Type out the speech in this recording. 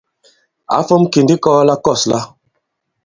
Ǎ fōm kì ndī i ikɔ̀ɔ̀ la kɔ̂s lā.